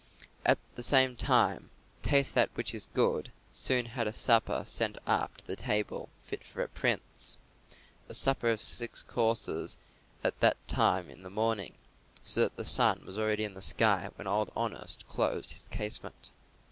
At the same time Taste that which is good soon had a supper sent up to the table fit for a prince: a supper of six courses at that time in the morning, so that the sun was already in the sky when Old Honest closed his casement.